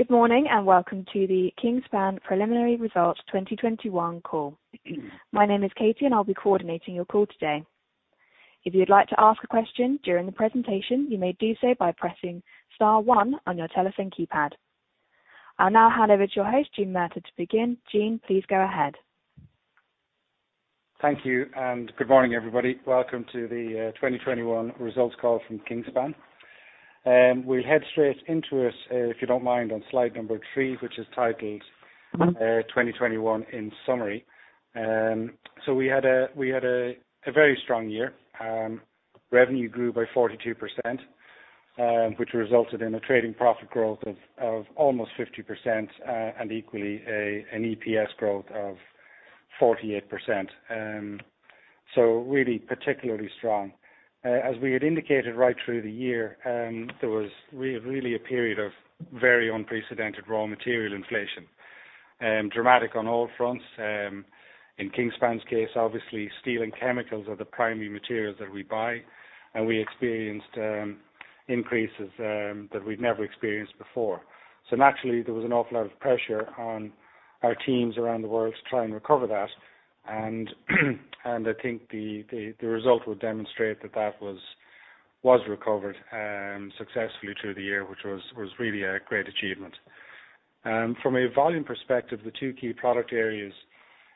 Good morning, and welcome to the Kingspan preliminary results 2021 call. My name is Katie, and I'll be coordinating your call today. If you'd like to ask a question during the presentation, you may do so by pressing star one on your telephone keypad. I'll now hand over to your host, Gene Murtagh, to begin. Gene, please go ahead. Thank you, and good morning, everybody. Welcome to the 2021 results call from Kingspan. We'll head straight into it, if you don't mind, on slide number three, which is titled. 2021 In Summary. We had a very strong year. Revenue grew by 42%, which resulted in a trading profit growth of almost 50%, and equally an EPS growth of 48%. Really particularly strong. As we had indicated right through the year, there was really a period of very unprecedented raw material inflation, dramatic on all fronts. In Kingspan's case, obviously, steel and chemicals are the primary materials that we buy, and we experienced increases that we'd never experienced before. Naturally, there was an awful lot of pressure on our teams around the world to try and recover that. I think the result would demonstrate that that was recovered successfully through the year, which was really a great achievement. From a volume perspective, the two key product areas,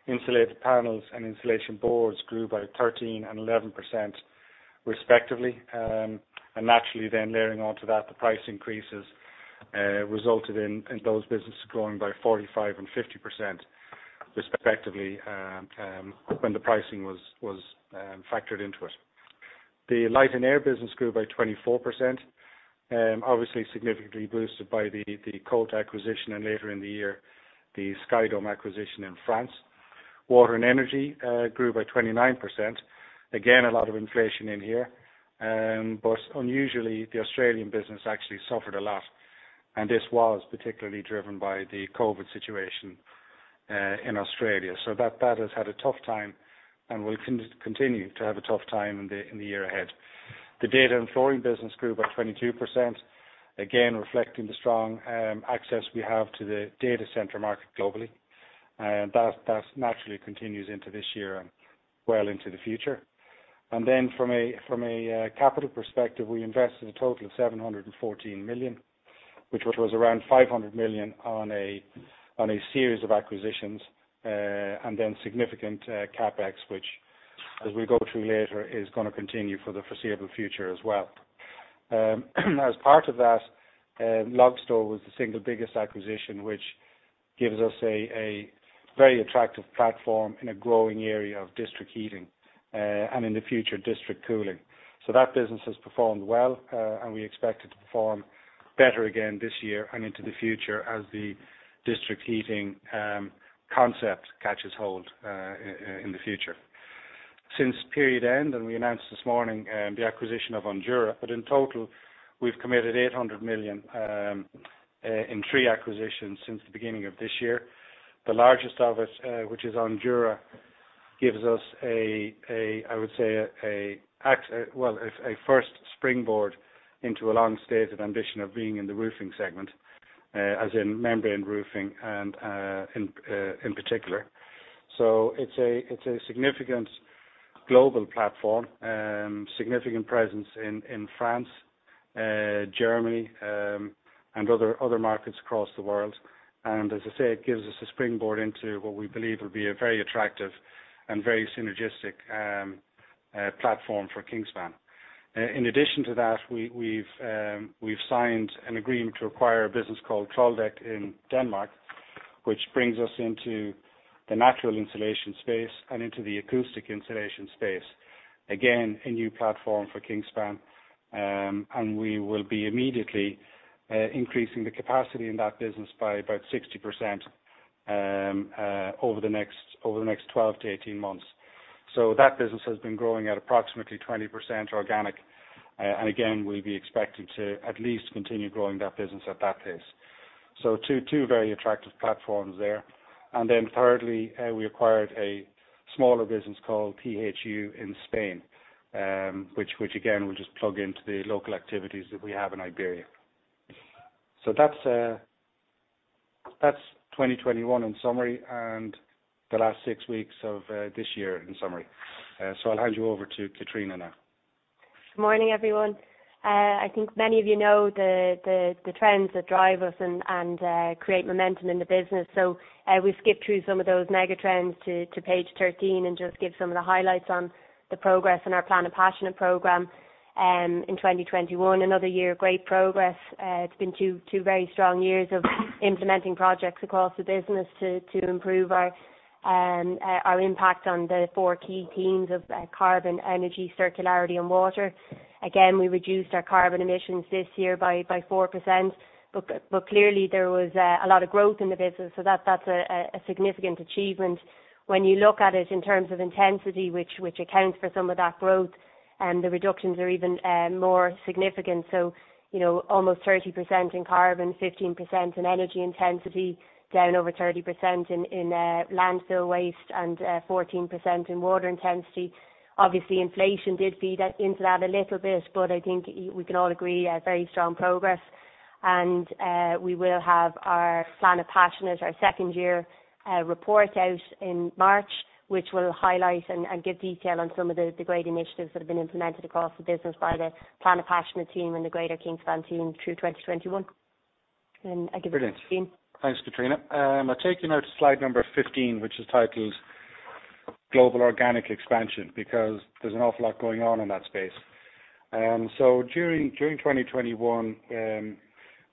insulated panels and insulation boards, grew by 13% and 11% respectively. Naturally then layering onto that, the price increases resulted in those businesses growing by 45% and 50% respectively, when the pricing was factored into it. The Light and Air business grew by 24%, obviously significantly boosted by the Colt acquisition and later in the year, the Skydôme acquisition in France. Water and Energy grew by 29%. Again, a lot of inflation in here. Unusually, the Australian business actually suffered a lot, and this was particularly driven by the COVID situation in Australia. That has had a tough time and will continue to have a tough time in the year ahead. The Data & Flooring business grew by 22%, again, reflecting the strong access we have to the data center market globally. That naturally continues into this year and well into the future. Then from a capital perspective, we invested a total of 714 million, which was around 500 million on a series of acquisitions, and then significant CapEx, which as we go through later, is gonna continue for the foreseeable future as well. As part of that, LOGSTOR was the single biggest acquisition, which gives us a very attractive platform in a growing area of district heating, and in the future, district cooling. That business has performed well, and we expect it to perform better again this year and into the future as the district heating concept catches hold in the future. Since period end, we announced this morning the acquisition of Ondura, but in total, we've committed 800 million in three acquisitions since the beginning of this year. The largest of it, which is Ondura, gives us, I would say, a first springboard into a long-stated ambition of being in the roofing segment, as in membrane roofing in particular. It's a significant global platform, significant presence in France, Germany, and other markets across the world. As I say, it gives us a springboard into what we believe will be a very attractive and very synergistic platform for Kingspan. In addition to that, we've signed an agreement to acquire a business called Troldtekt in Denmark, which brings us into the natural insulation space and into the acoustic insulation space. Again, a new platform for Kingspan, and we will be immediately increasing the capacity in that business by about 60%, over the next 12 months-18 months. That business has been growing at approximately 20% organic, and again, we'll be expecting to at least continue growing that business at that pace. Two very attractive platforms there. Thirdly, we acquired a smaller business called THU in Spain, which again will just plug into the local activities that we have in Iberia. That's 2021 in summary and the last six weeks of this year in summary. I'll hand you over to Catriona now. Good morning, everyone. I think many of you know the trends that drive us and create momentum in the business. We skip through some of those mega trends to page 13 and just give some of the highlights on the progress in our Planet Passionate program in 2021. Another year of great progress. It's been two very strong years of implementing projects across the business to improve our impact on the four key themes of carbon, energy, circularity, and water. Again, we reduced our carbon emissions this year by 4%. Clearly there was a lot of growth in the business, so that's a significant achievement. When you look at it in terms of intensity, which accounts for some of that growth, the reductions are even more significant. You know, almost 30% in carbon, 15% in energy intensity, down over 30% in landfill waste, and 14% in water intensity. Obviously, inflation did feed into that a little bit, but I think we can all agree it's a very strong progress. We will have our Planet Passionate, our second year, report out in March, which will highlight and give detail on some of the great initiatives that have been implemented across the business by the Planet Passionate team and the greater Kingspan team through 2021. I give it to Gene. Brilliant. Thanks, Catriona. I'll take you now to slide number 15, which is titled Global Organic Expansion, because there's an awful lot going on in that space. During 2021,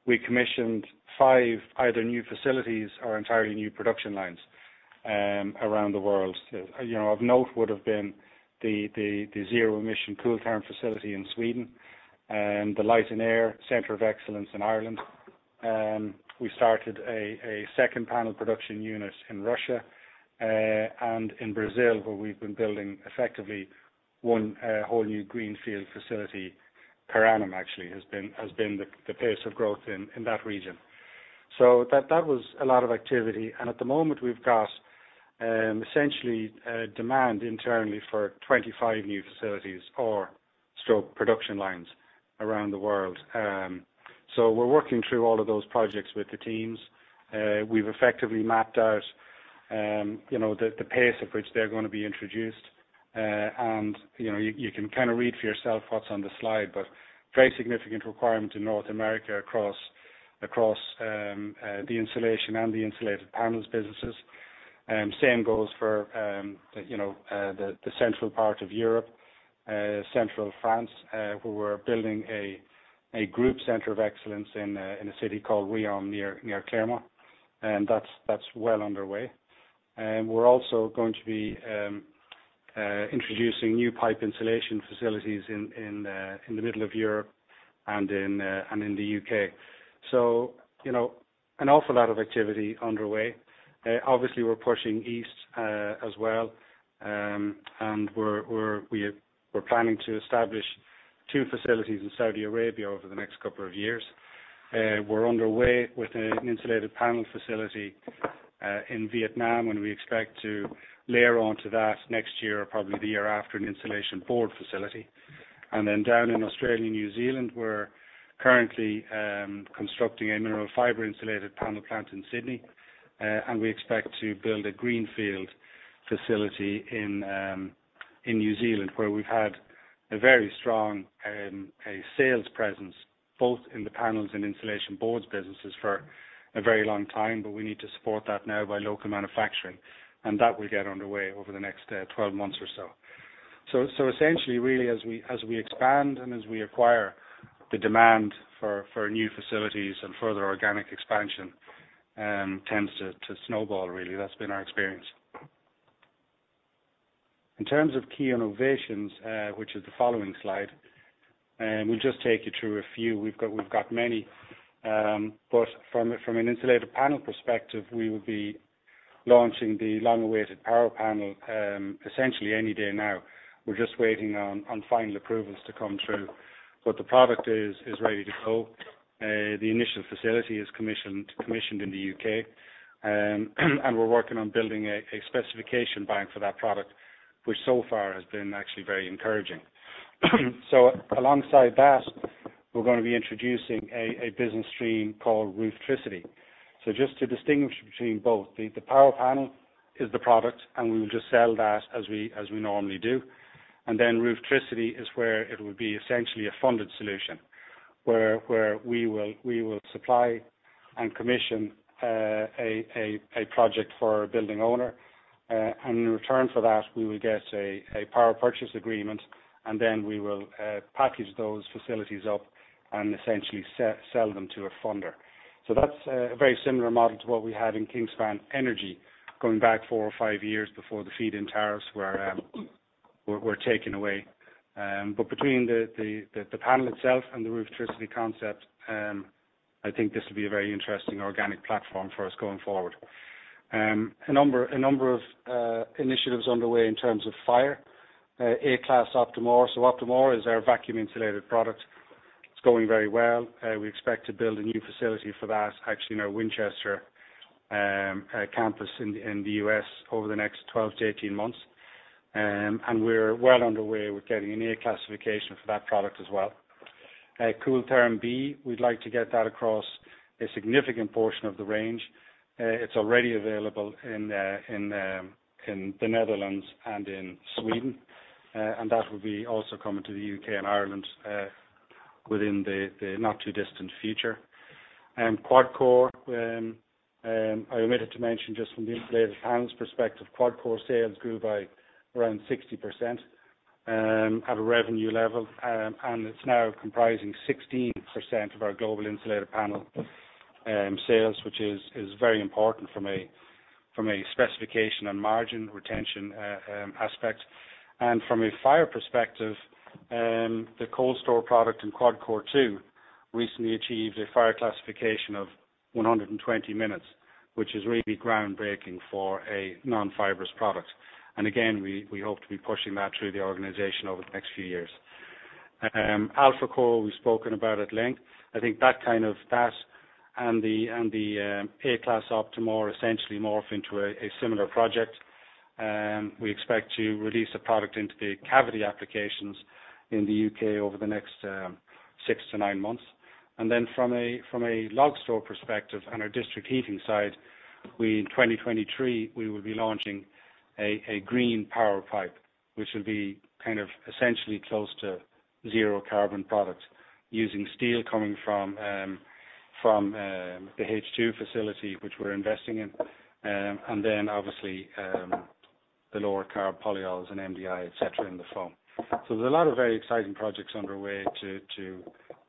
we commissioned five either new facilities or entirely new production lines around the world. You know, of note would have been the zero emission Kooltherm facility in Sweden, and the Light and Air Center of Excellence in Ireland. We started a second panel production unit in Russia. In Brazil, where we've been building effectively one whole new greenfield facility per annum actually has been the pace of growth in that region. That was a lot of activity. At the moment, we've got essentially demand internally for 25 new facilities or production lines around the world. We're working through all of those projects with the teams. We've effectively mapped out, you know, the pace at which they're gonna be introduced. You know, you can kind of read for yourself what's on the slide, but very significant requirement in North America across the insulation and the insulated panels businesses. Same goes for, you know, the central part of Europe, central France, where we're building a group center of excellence in a city called Riom near Clermont. That's well underway. We're also going to be introducing new pipe insulation facilities in the middle of Europe and in the U.K. You know, an awful lot of activity underway. Obviously, we're pushing east as well. We're planning to establish two facilities in Saudi Arabia over the next couple of years. We're underway with an insulated panel facility in Vietnam, and we expect to layer onto that next year or probably the year after an insulation board facility. Down in Australia, New Zealand, we're currently constructing a mineral fiber insulated panel plant in Sydney. We expect to build a greenfield facility in New Zealand, where we've had a very strong sales presence both in the panels and insulation boards businesses for a very long time. We need to support that now by local manufacturing. That will get underway over the next 12 months or so. Essentially really as we expand and acquire the demand for new facilities and further organic expansion tends to snowball really. That's been our experience. In terms of key innovations, which is the following slide, we'll just take you through a few. We've got many. But from an insulated panel perspective, we will be launching the long-awaited PowerPanel essentially any day now. We're just waiting on final approvals to come through. The product is ready to go. The initial facility is commissioned in the U.K. We're working on building a specification buy-in for that product, which so far has been actually very encouraging. Alongside that, we're gonna be introducing a business stream called Rooftricity. Just to distinguish between both, the PowerPanel is the product, and we will just sell that as we normally do. Then Rooftricity is where it would be essentially a funded solution, where we will supply and commission a project for a building owner. And in return for that, we will get a power purchase agreement, and then we will package those facilities up and essentially sell them to a funder. That's a very similar model to what we had in Kingspan Energy going back four or five years before the feed-in tariffs were taken away. But between the panel itself and the Rooftricity concept, I think this will be a very interesting organic platform for us going forward. A number of initiatives underway in terms of fire. A class OPTIM-R. So OPTIM-R is our vacuum insulated product. It's going very well. We expect to build a new facility for that actually in our Winchester campus in the U.S. over the next 12 months-18 months. We're well underway with getting an A classification for that product as well. Kooltherm B, we'd like to get that across a significant portion of the range. It's already available in the Netherlands and in Sweden. That will be also coming to the U.K. and Ireland within the not too distant future. QuadCore, I omitted to mention just from the insulated panels perspective, QuadCore sales grew by around 60% at a revenue level. It's now comprising 16% of our global insulated panel sales, which is very important from a specification and margin retention aspect. From a fire perspective, the cold store product in QuadCore two recently achieved a fire classification of 120 minutes, which is really groundbreaking for a non-fibrous product. We hope to be pushing that through the organization over the next few years. AlphaCore, we've spoken about at length. I think that kind of that - and the A-class OPTIM-R essentially morph into a similar project. We expect to release the product into the cavity applications in the U.K. over the next 6 months-9 months. From a LOGSTOR perspective on our district heating side, in 2023, we will be launching a green power pipe which will be kind of essentially close to zero carbon products using steel coming from the H2 facility, which we're investing in. The lower carbon polyols and MDI, et cetera, in the foam. There's a lot of very exciting projects underway to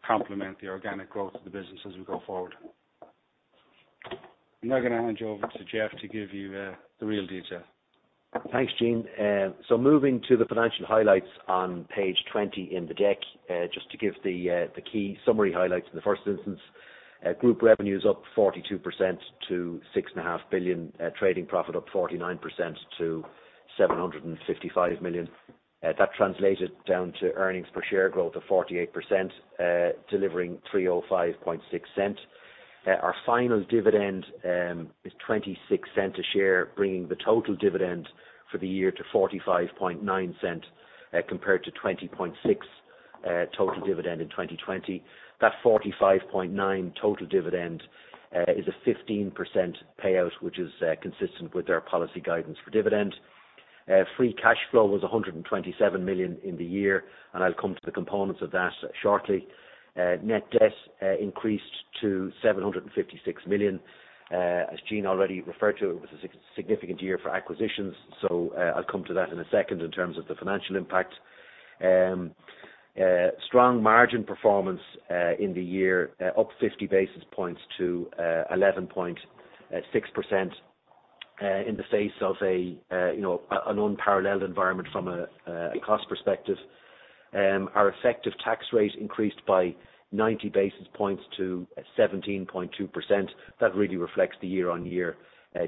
complement the organic growth of the business as we go forward. I'm now gonna hand you over to Geoff to give you the real detail. Thanks, Gene. Moving to the financial highlights on page 20 in the deck, just to give the key summary highlights in the first instance. Group revenue is up 42% to 6.5 billion, trading profit up 49% to 755 million. That translated down to earnings per share growth of 48%, delivering 3.056. Our final dividend is 0.26 per share, bringing the total dividend for the year to 0.459, compared to 0.206 total dividend in 2020. That 0.459 total dividend is a 15% payout, which is consistent with our policy guidance for dividend. Free cash flow was 127 million in the year, and I'll come to the components of that shortly. Net debt increased to 756 million. As Gene already referred to, it was a significant year for acquisitions, so I'll come to that in a second in terms of the financial impact. Strong margin performance in the year up 50 basis points to 11.6% in the face of a you know unparalleled environment from a cost perspective. Our effective tax rate increased by 90 basis points to 17.2%. That really reflects the year-on-year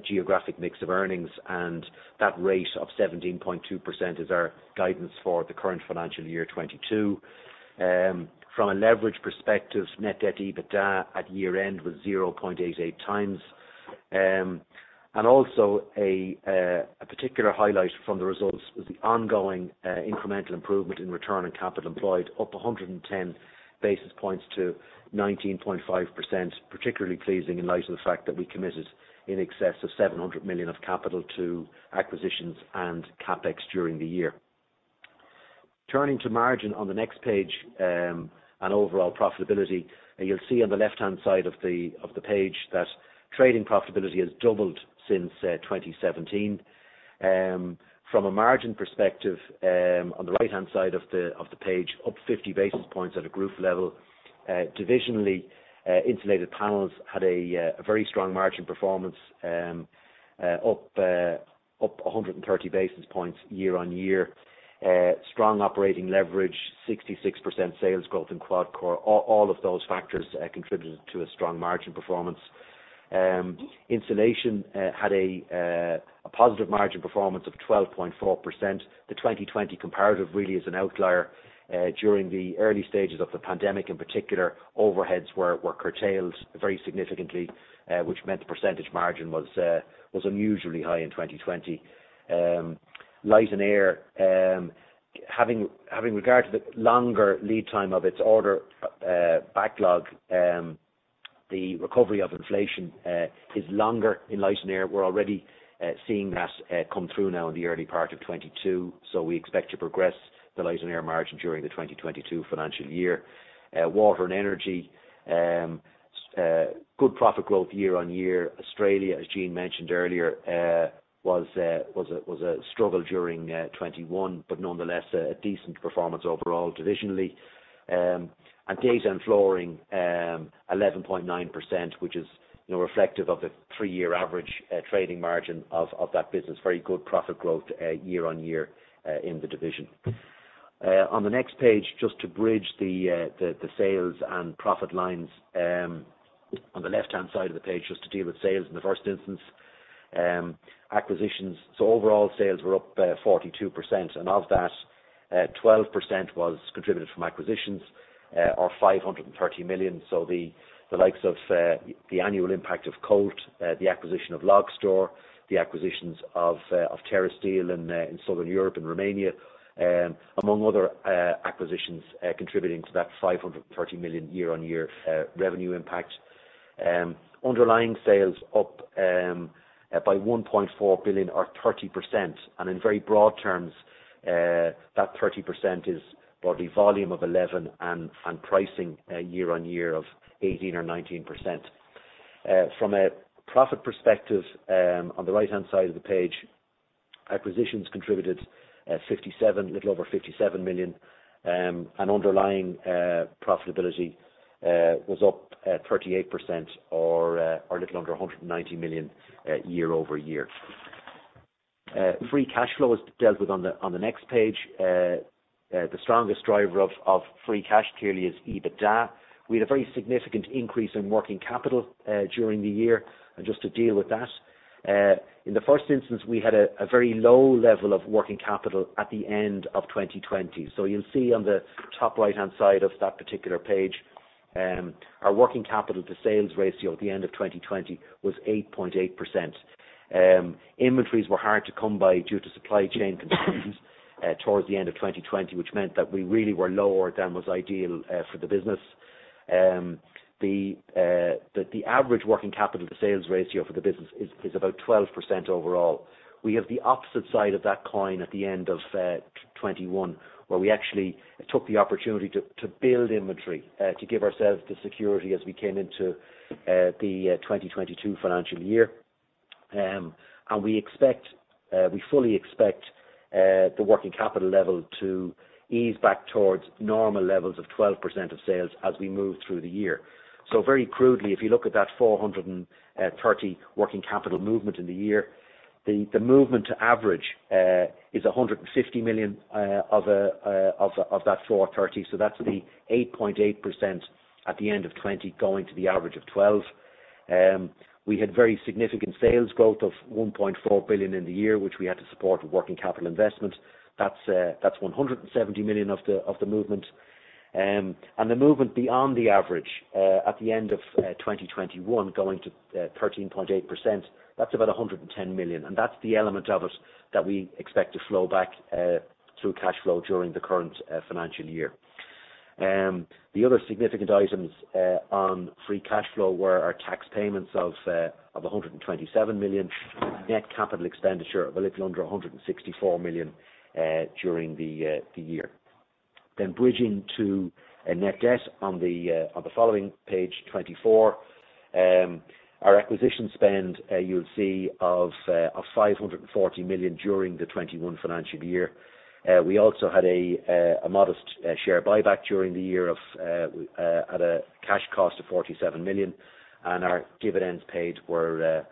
geographic mix of earnings, and that rate of 17.2% is our guidance for the current financial year 2022. From a leverage perspective, net debt to EBITDA at year-end was 0.88x. A particular highlight from the results was the ongoing incremental improvement in return on capital employed, up 110 basis points to 19.5%. Particularly pleasing in light of the fact that we committed in excess of 700 million of capital to acquisitions and CapEx during the year. Turning to margin on the next page, overall profitability, you'll see on the left-hand side of the page that trading profitability has doubled since 2017. From a margin perspective, on the right-hand side of the page, up 50 basis points at a group level. Divisionally, insulated panels had a very strong margin performance, up 130 basis points year-on-year. Strong operating leverage, 66% sales growth in QuadCore, all of those factors contributed to a strong margin performance. Insulation had a positive margin performance of 12.4%. The 2020 comparative really is an outlier. During the early stages of the pandemic, in particular, overheads were curtailed very significantly, which meant the percentage margin was unusually high in 2020. Light and Air, having regard to the longer lead time of its order backlog, the recovery of inflation is longer in Light and Air. We're already seeing that come through now in the early part of 2022, so we expect to progress the Light and Air margin during the 2022 financial year. Water and Energy, good profit growth year-on-year. Australia, as Gene mentioned earlier, was a struggle during 2021, but nonetheless a decent performance overall, divisionally. Data & Flooring, 11.9%, which is, you know, reflective of the three-year average trading margin of that business. Very good profit growth year-on-year in the division. On the next page, just to bridge the sales and profit lines, on the left-hand side of the page, just to deal with sales in the first instance. Acquisitions. Overall, sales were up 42%, and of that, 12% was contributed from acquisitions, or 530 million. The likes of the annual impact of Colt, the acquisition of LOGSTOR, the acquisitions of TeraSteel in Southern Europe and Romania, among other acquisitions, contributing to that 530 million year-on-year revenue impact. Underlying sales up by 1.4 billion or 30%. In very broad terms, that 30% is broadly volume of 11% and pricing year-on-year of 18% and 19%. From a profit perspective, on the right-hand side of the page, acquisitions contributed a little over 57 million. Underlying profitability was up 38% or a little under 190 million year-over-year. Free cash flow is dealt with on the next page. The strongest driver of free cash clearly is EBITDA. We had a very significant increase in working capital during the year. Just to deal with that, in the first instance, we had a very low level of working capital at the end of 2020. You'll see on the top right-hand side of that particular page, our working capital to sales ratio at the end of 2020 was 8.8%. Inventories were hard to come by due to supply chain conditions towards the end of 2020, which meant that we really were lower than was ideal for the business. The average working capital to sales ratio for the business is about 12% overall. We have the opposite side of that coin at the end of 2021, where we actually took the opportunity to build inventory to give ourselves the security as we came into the 2022 financial year. We expect, we fully expect, the working capital level to ease back towards normal levels of 12% of sales as we move through the year. Very crudely, if you look at that 430 million working capital movement in the year, the movement to average is 150 million of that 430. That's the 8.8% at the end of 2020 going to the average of 12. We had very significant sales growth of 1.4 billion in the year, which we had to support with working capital investment. That's that's 170 million of the movement. The movement beyond the average at the end of 2021 going to 13.8%, that's about 110 million. That's the element of it that we expect to flow back through cash flow during the current financial year. The other significant items on free cash flow were our tax payments of 127 million, net capital expenditure of a little under 164 million during the year. Bridging to a net debt on the following page, 24. Our acquisition spend, you'll see of 540 million during the 2021 financial year. We also had a modest share buyback during the year at a cash cost of 47 million, and our dividends paid were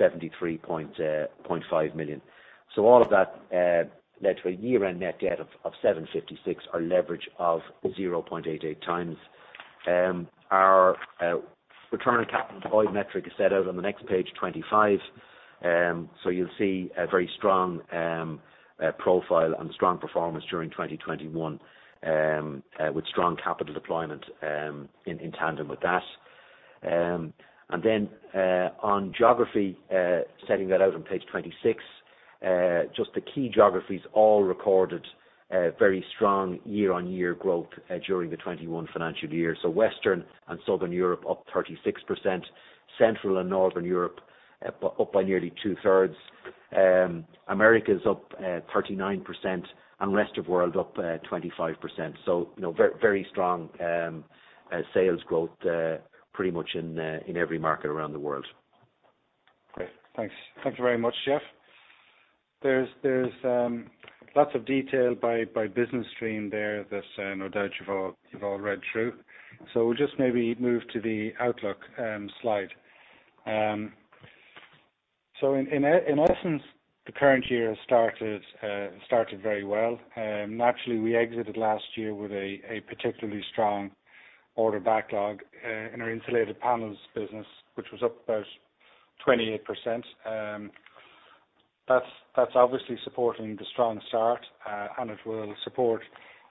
73.5 million. All of that led to a year-end net debt of 756 or leverage of 0.8x. Our return on capital employed metric is set out on the next page, 25. You'll see a very strong profile and strong performance during 2021 with strong capital deployment in tandem with that. On geography, setting that out on page 26, just the key geographies all recorded very strong year-on-year growth during the 2021 financial year. Western and Southern Europe up 36%, Central and Northern Europe up by nearly two-thirds. Americas up 39%, and rest of world up 25%. You know, very, very strong sales growth pretty much in every market around the world. Great. Thanks. Thank you very much, Geoff. There's lots of detail by business stream there that no doubt you've all read through. We'll just maybe move to the outlook slide. In essence, the current year started very well. Naturally, we exited last year with a particularly strong order backlog in our insulated panels business, which was up about 28%. That's obviously supporting the strong start and it will support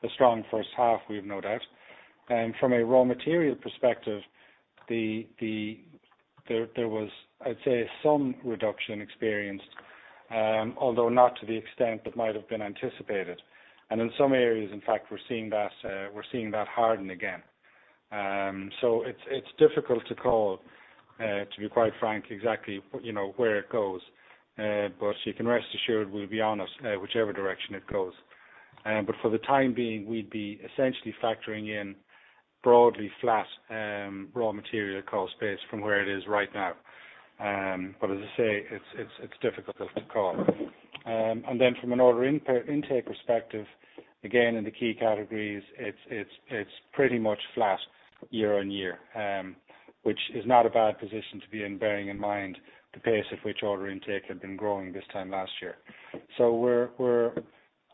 the strong first half, we've no doubt. From a raw material perspective, there was, I'd say, some reduction experienced, although not to the extent that might have been anticipated. In some areas, in fact, we're seeing that harden again. It's difficult to call, to be quite frank, exactly, you know, where it goes. You can rest assured we'll be honest, whichever direction it goes. For the time being, we'd be essentially factoring in broadly flat raw material cost base from where it is right now. As I say, it's difficult to call. Then from an order intake perspective, again, in the key categories, it's pretty much flat year-over-year, which is not a bad position to be in, bearing in mind the pace at which order intake had been growing this time last year. We're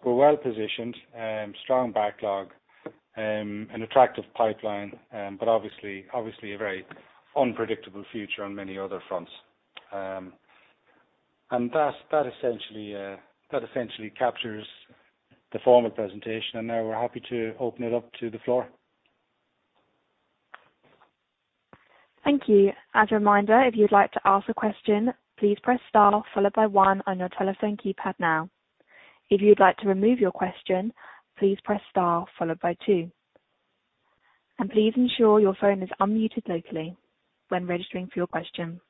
well positioned, strong backlog, an attractive pipeline, but obviously a very unpredictable future on many other fronts. That essentially captures the formal presentation. Now we're happy to open it up to the floor. Thank you. As a reminder, if you'd like to ask a question, please press star followed by one on your telephone keypad now. If you'd like to remove your question, please press star followed by two. Please ensure your phone is unmuted locally when registering for your question.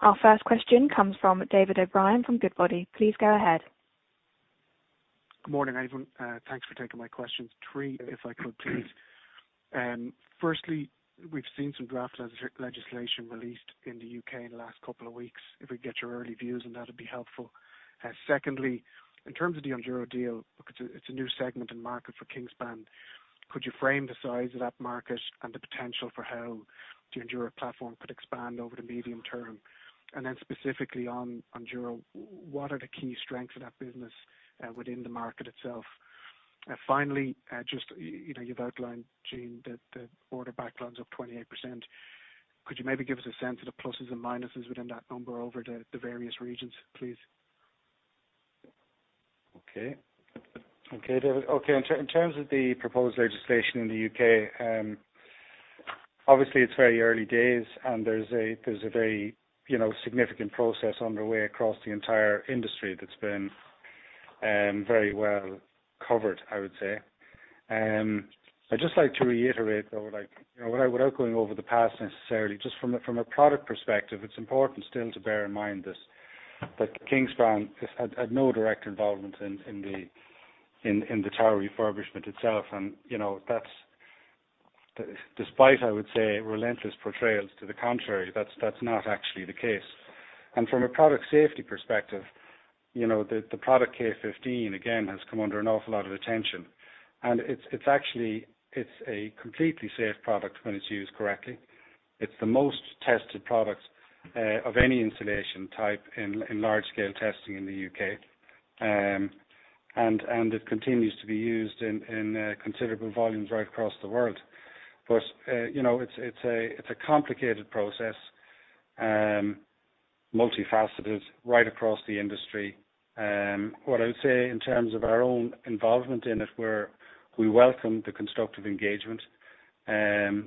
Our first question comes from David O'Brien from Goodbody. Please go ahead. Good morning, everyone. Thanks for taking my questions. Three, if I could, please. Firstly, we've seen some draft legislation released in the U.K. in the last couple of weeks. If we get your early views on that, it'd be helpful. Secondly, in terms of the Ondura deal, because it's a new segment and market for Kingspan, could you frame the size of that market and the potential for how the Ondura platform could expand over the medium term? Then specifically on Ondura, what are the key strengths of that business within the market itself? Finally, you know, you've outlined, Gene, that the order backlogs up 28%. Could you maybe give us a sense of the pluses and minuses within that number over the various regions, please? Okay, David. In terms of the proposed legislation in the U.K., obviously it's very early days, and there's a very, you know, significant process underway across the entire industry that's been very well covered, I would say. I'd just like to reiterate though, like, you know, without going over the past necessarily, just from a product perspective, it's important still to bear in mind that Kingspan had no direct involvement in the tower refurbishment itself. You know, that's despite, I would say, relentless portrayals to the contrary, that's not actually the case. From a product safety perspective, you know, the product K15, again, has come under an awful lot of attention. It's actually a completely safe product when it's used correctly. It's the most tested product of any insulation type in large-scale testing in the U.K. It continues to be used in considerable volumes right across the world. You know, it's a complicated process, multifaceted right across the industry. What I would say in terms of our own involvement in it, we welcome the constructive engagement.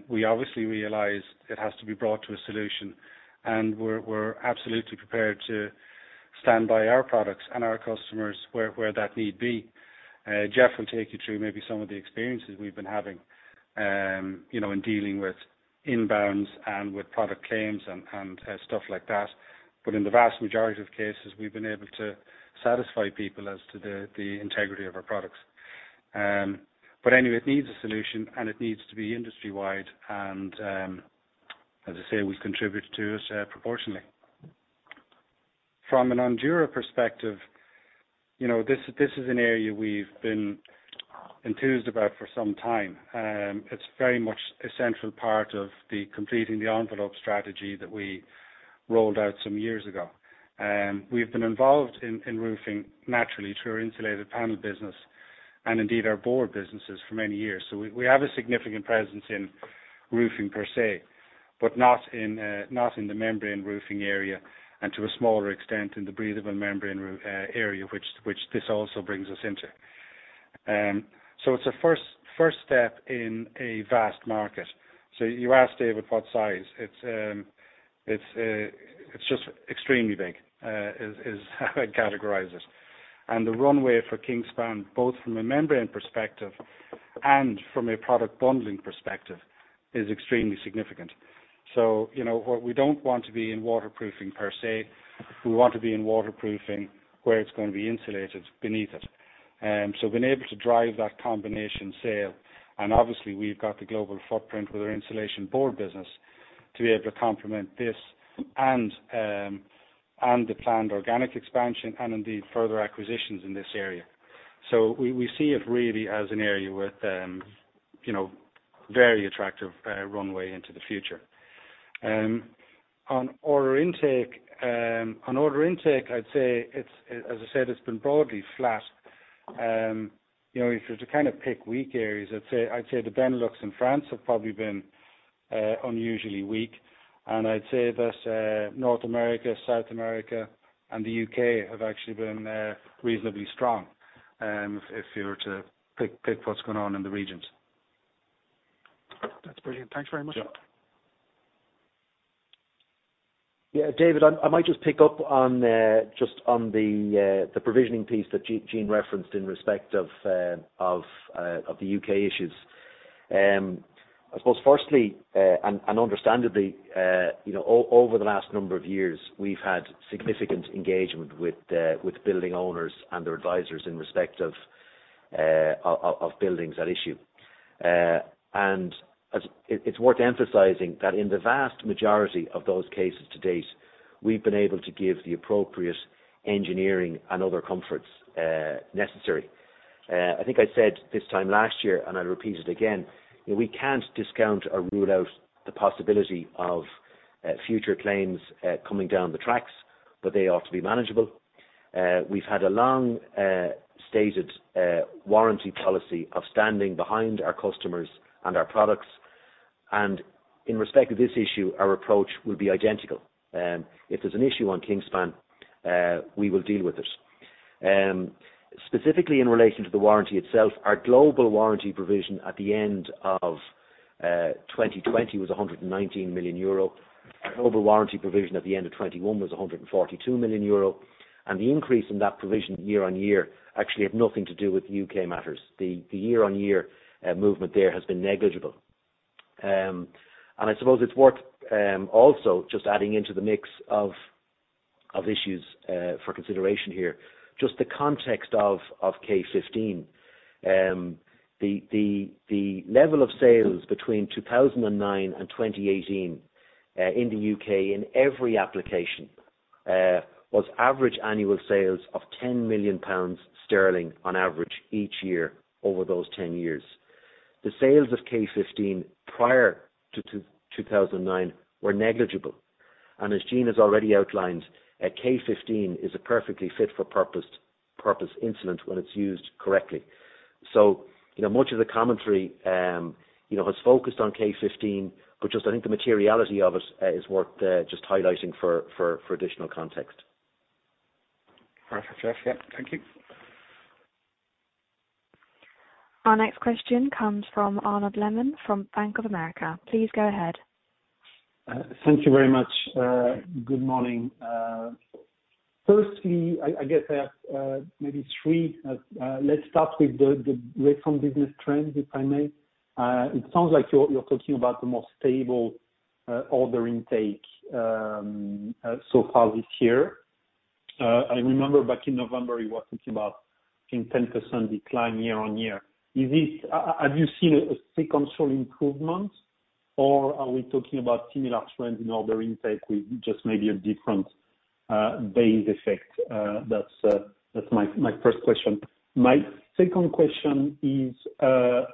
We obviously realize it has to be brought to a solution, and we're absolutely prepared to stand by our products and our customers where that need be. Geoff will take you through maybe some of the experiences we've been having, you know, in dealing with inbounds and with product claims and stuff like that. In the vast majority of cases, we've been able to satisfy people as to the integrity of our products. Anyway, it needs a solution, and it needs to be industry-wide, and as I say, we contribute to it proportionally. From an Ondura perspective, this is an area we've been enthused about for some time. It's very much a central part of the Completing the Envelope strategy that we rolled out some years ago. We've been involved in roofing naturally through our insulated panel business and indeed our board businesses for many years. We have a significant presence in roofing per se, but not in the membrane roofing area and to a smaller extent in the breathable membrane area, which this also brings us into. It's a first step in a vast market. You asked, David, what size. It's just extremely big, is how I'd categorize it. The runway for Kingspan, both from a membrane perspective and from a product bundling perspective, is extremely significant. You know, what we don't want to be in waterproofing per se, we want to be in waterproofing where it's gonna be insulated beneath it. Being able to drive that combination sale, and obviously we've got the global footprint with our insulation board business to be able to complement this and the planned organic expansion and indeed further acquisitions in this area. We see it really as an area with you know, very attractive runway into the future. On order intake, I'd say it's, as I said, it's been broadly flat. You know, if you were to kind of pick weak areas, I'd say the Benelux and France have probably been unusually weak. I'd say that North America, South America, and the U.K. have actually been reasonably strong, if you were to pick what's going on in the regions. That's brilliant. Thanks very much. Sure. Yeah. David, I might just pick up on just on the provisioning piece that Gene referenced in respect of the U.K. issues. I suppose firstly, and understandably, you know, over the last number of years, we've had significant engagement with building owners and their advisors in respect of buildings at issue. It's worth emphasizing that in the vast majority of those cases to date, we've been able to give the appropriate engineering and other comforts necessary. I think I said this time last year, and I repeat it again, you know, we can't discount or rule out the possibility of future claims coming down the tracks, but they ought to be manageable. We've had a long stated warranty policy of standing behind our customers and our products. In respect of this issue, our approach will be identical. If there's an issue on Kingspan, we will deal with it. Specifically in relation to the warranty itself, our global warranty provision at the end of 2020 was EUR 119 million. Our global warranty provision at the end of 2021 was 142 million euro. The increase in that provision year-on-year actually have nothing to do with U.K. matters. The year-on-year movement there has been negligible. I suppose it's worth also just adding into the mix of issues for consideration here, just the context of K15. The level of sales between 2009 and 2018, in the U.K. in every application, was average annual sales of 10 million pounds on average each year over those ten years. The sales of K15 prior to 2009 were negligible. Gene has already outlined, K15 is a perfectly fit-for-purpose insulation when it's used correctly. You know, much of the commentary, you know, has focused on K15, but I think the materiality of it is worth just highlighting for additional context. Perfect, Geoff. Yeah, thank you. Our next question comes from Arnaud Lehmann from Bank of America. Please go ahead. Thank you very much. Good morning. Firstly, I guess I have maybe three. Let's start with the rate from business trends, if I may. It sounds like you're talking about the more stable order intake so far this year. I remember back in November, you were talking about 10% decline year-on-year. Have you seen a sequential improvement, or are we talking about similar trends in order intake with just maybe a different base effect? That's my first question. My second question is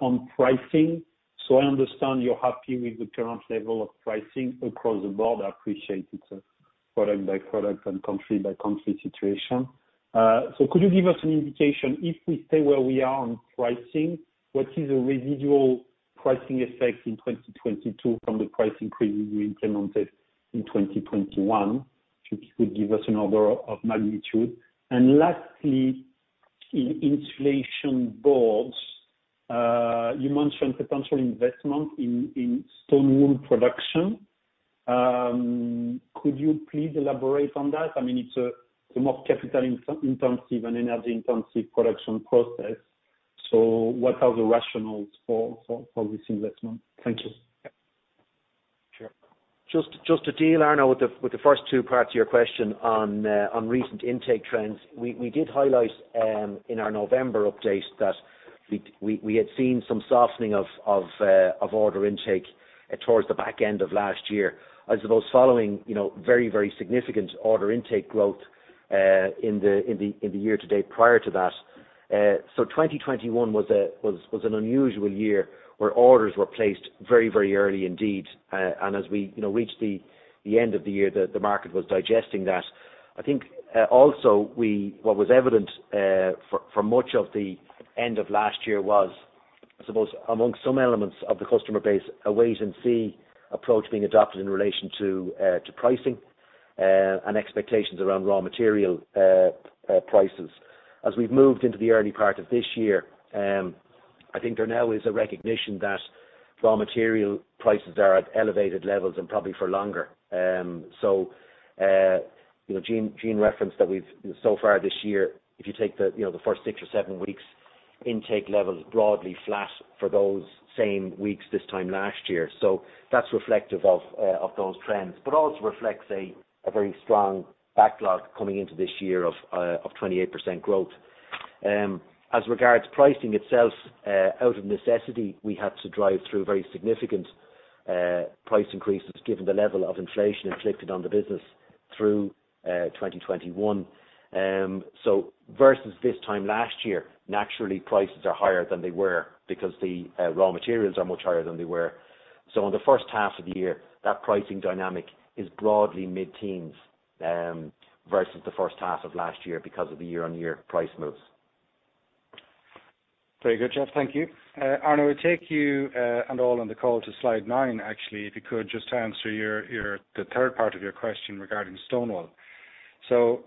on pricing. So I understand you're happy with the current level of pricing across the board. I appreciate it's a product by product and country by country situation. Could you give us an indication, if we stay where we are on pricing, what is a residual pricing effect in 2022 from the price increase you implemented in 2021? If you could give us an order of magnitude. Lastly, in insulation boards, you mentioned potential investment in stone wool production. Could you please elaborate on that? I mean, it's the most capital intensive and energy intensive production process. What are the rationales for this investment? Thank you. Sure. Just to deal, Arnaud, with the first two parts of your question on recent intake trends. We did highlight in our November update that we had seen some softening of order intake towards the back end of last year. I suppose following very significant order intake growth in the year to date prior to that. 2021 was an unusual year where orders were placed very early indeed. As we reached the end of the year, the market was digesting that. I think what was evident for much of the end of last year was, I suppose among some elements of the customer base, a wait and see approach being adopted in relation to pricing and expectations around raw material prices. As we've moved into the early part of this year, I think there now is a recognition that raw material prices are at elevated levels and probably for longer. You know, Gene referenced that we've so far this year, if you take the first six or seven weeks, intake levels broadly flat for those same weeks this time last year. That's reflective of those trends, but also reflects a very strong backlog coming into this year of 28% growth. As regards pricing itself, out of necessity, we had to drive through very significant price increases given the level of inflation inflicted on the business through 2021. Versus this time last year, naturally, prices are higher than they were because the raw materials are much higher than they were. In the first half of the year, that pricing dynamic is broadly mid-teens versus the first half of last year because of the year-on-year price moves. Very good, Geoff. Thank you. Arnaud, we take you and all on the call to slide nine, actually, if you could just to answer your the third part of your question regarding stone wool.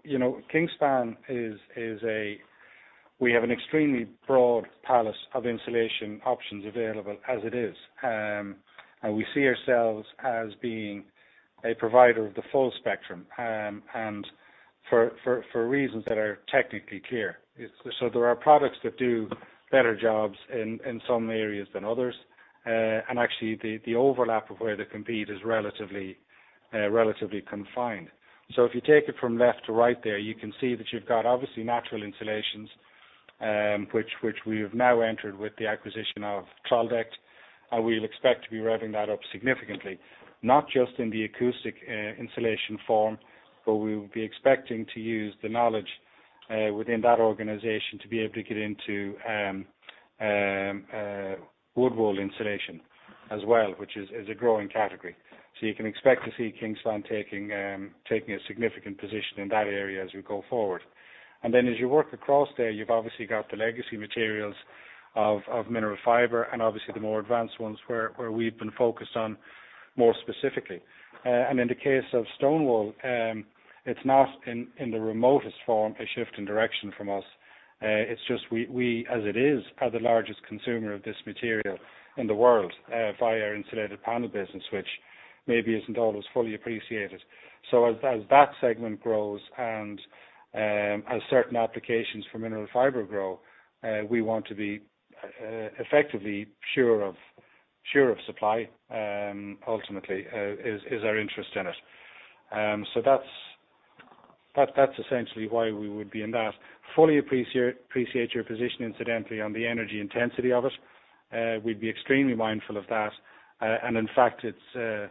You know, Kingspan is a. We have an extremely broad palette of insulation options available as it is. We see ourselves as being a provider of the full spectrum, and for reasons that are technically clear. There are products that do better jobs in some areas than others. Actually the overlap of where they compete is relatively confined. If you take it from left to right there, you can see that you've got obviously natural insulations, which we have now entered with the acquisition of Troldtekt, and we'll expect to be revving that up significantly, not just in the acoustic insulation form, but we will be expecting to use the knowledge within that organization to be able to get into wood wool insulation as well, which is a growing category. You can expect to see Kingspan taking a significant position in that area as we go forward. Then as you work across there, you've obviously got the legacy materials of mineral fiber and obviously the more advanced ones where we've been focused on more specifically. In the case of stone wool, it's not in the remotest form a shift in direction from us. It's just we as it is are the largest consumer of this material in the world via our insulated panel business, which maybe isn't always fully appreciated. As that segment grows and as certain applications for mineral fiber grow, we want to be effectively sure of supply ultimately is our interest in it. That's essentially why we would be in that. Fully appreciate your position incidentally on the energy intensity of it. We'd be extremely mindful of that. In fact it's,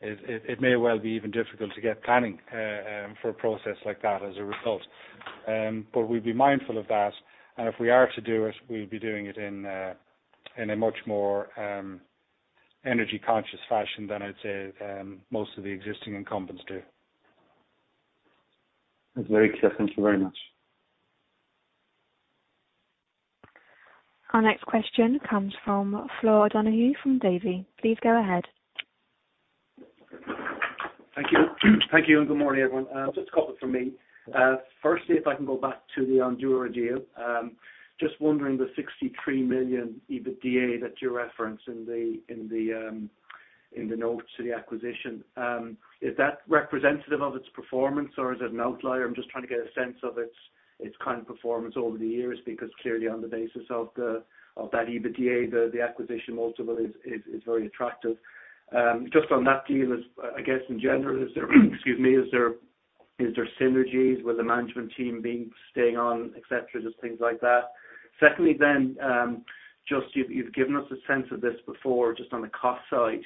It may well be even difficult to get planning for a process like that as a result. We'd be mindful of that, and if we are to do it, we'll be doing it in a much more energy conscious fashion than I'd say most of the existing incumbents do. That's very clear. Thank you very much. Our next question comes from Flor O'Donoghue from Davy. Please go ahead. Thank you. Thank you, and good morning, everyone. Just a couple from me. Firstly, if I can go back to the Ondura deal. Just wondering the 63 million EBITDA that you reference in the notes to the acquisition. Is that representative of its performance, or is it an outlier? I'm just trying to get a sense of its kind of performance over the years because clearly on the basis of that EBITDA, the acquisition multiple is very attractive. Just on that deal as I guess in general, is there synergies with the management team being staying on, et cetera, just things like that. Secondly then, just you've given us a sense of this before just on the cost side,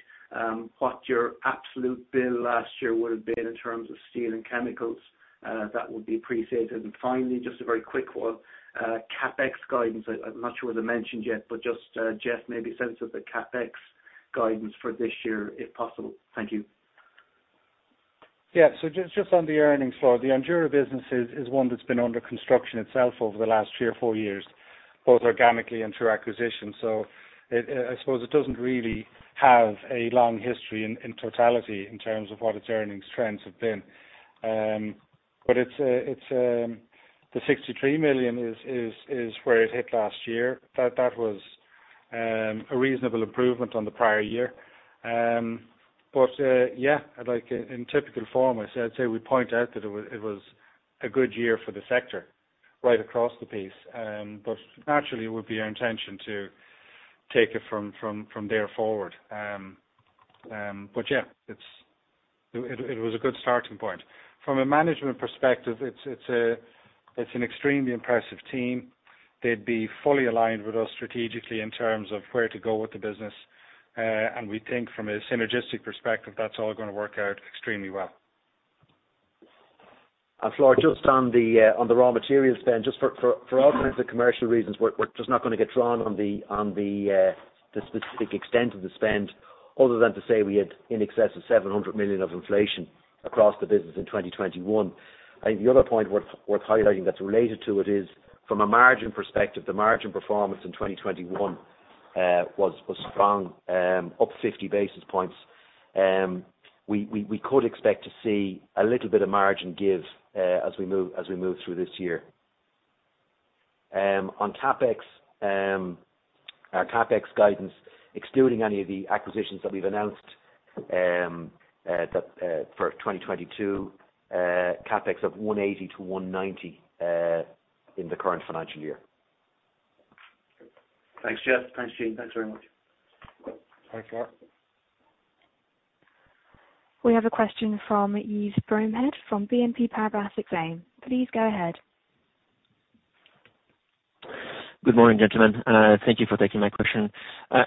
what your absolute bill last year would have been in terms of steel and chemicals. That would be appreciated. Finally, just a very quick one, CapEx guidance. I'm not sure it was mentioned yet, but just, Jeff maybe a sense of the CapEx guidance for this year, if possible. Thank you. Yeah. Just on the earnings, Flor. The Ondura business is one that's been under construction itself over the last three or four years, both organically and through acquisition. I suppose it doesn't really have a long history in totality in terms of what its earnings trends have been. It's the 63 million where it hit last year. That was a reasonable improvement on the prior year. Yeah, in typical form, I'd say we point out that it was a good year for the sector right across the piece. Naturally it would be our intention to take it from there forward. Yeah, it was a good starting point. From a management perspective, it's an extremely impressive team. They'd be fully aligned with us strategically in terms of where to go with the business. We think from a synergistic perspective, that's all gonna work out extremely well. Flor, just on the raw material spend, just for obvious commercial reasons, we're just not gonna get drawn on the specific extent of the spend other than to say we had in excess of 700 million of inflation across the business in 2021. The other point worth highlighting that's related to it is from a margin perspective, the margin performance in 2021 was strong, up 50 basis points. We could expect to see a little bit of margin give as we move through this year. On CapEx, our CapEx guidance, excluding any of the acquisitions that we've announced, for 2022, CapEx of 180 million-190 million in the current financial year. Thanks, Geoff. Thanks, Gene. Thanks very much. Thanks, Flor. We have a question from Yves Bromehead from BNP Paribas Exane. Please go ahead. Good morning, gentlemen. Thank you for taking my question.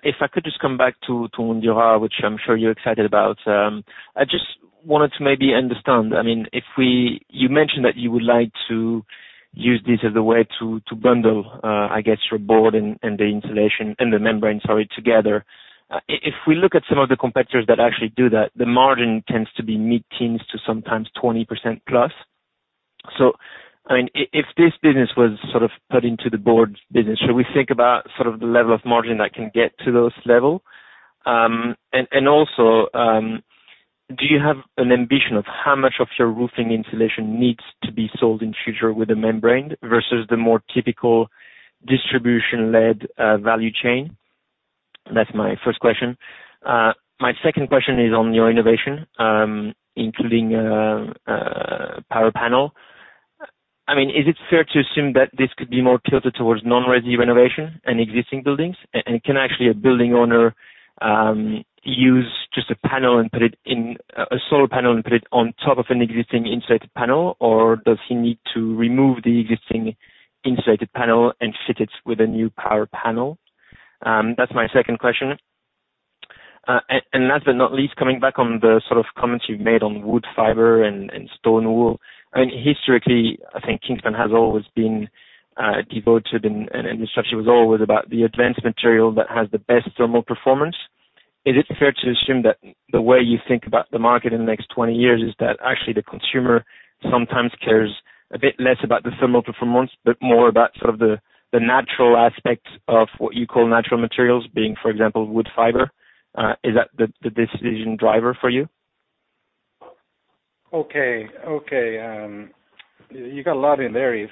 If I could just come back to Ondura, which I'm sure you're excited about. I just wanted to maybe understand. I mean, if you mentioned that you would like to use this as a way to bundle, I guess your board and the insulation and the membrane, sorry, together. If we look at some of the competitors that actually do that, the margin tends to be mid-teens to sometimes 20%+. I mean, if this business was sort of put into the board's business, should we think about sort of the level of margin that can get to those level? Also, do you have an ambition of how much of your roofing insulation needs to be sold in future with a membrane versus the more typical distribution-led value chain? That's my first question. My second question is on your innovation, including PowerPanel. I mean, is it fair to assume that this could be more tilted towards non-resi renovation and existing buildings? And can actually a building owner use just a panel and a solar panel and put it on top of an existing insulated panel? Or does he need to remove the existing insulated panel and fit it with a new PowerPanel? That's my second question. Last but not least, coming back on the sort of comments you've made on wood fiber and stone wool. I mean, historically, I think Kingspan has always been devoted and the structure was always about the advanced material that has the best thermal performance. Is it fair to assume that the way you think about the market in the next 20 years is that actually the consumer sometimes cares a bit less about the thermal performance, but more about sort of the natural aspects of what you call natural materials being, for example, wood fiber? Is that the decision driver for you? Okay. You got a lot in there, Yves.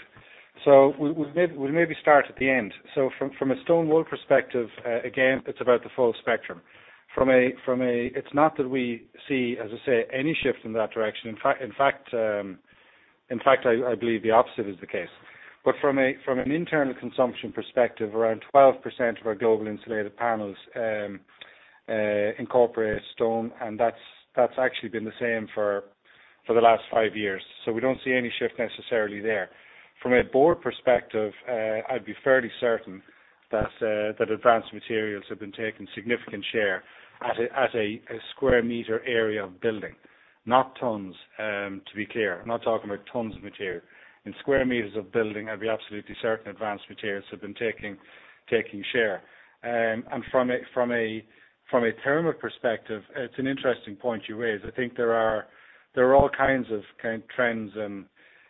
We maybe start at the end. From a stone wool perspective, again, it's about the full spectrum. It's not that we see, as I say, any shift in that direction. In fact, I believe the opposite is the case. But from an internal consumption perspective, around 12% of our global insulated panels incorporate stone, and that's actually been the same for the last five years. We don't see any shift necessarily there. From a board perspective, I'd be fairly certain that advanced materials have been taking significant share at a square meter area of building, not tons, to be clear. I'm not talking about tons of material. In square meters of building, I'd be absolutely certain advanced materials have been taking share. From a thermal perspective, it's an interesting point you raise. I think there are all kinds of counter trends,